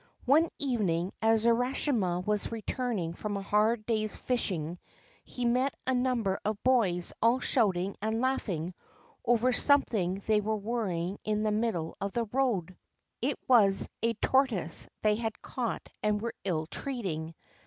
One evening, as Urashima was returning from a hard day's fish ing, he met a number of boys all shouting and laughing over some thing they were worrying in the middle of the road. It was a tortoise they had caught and were ill treating.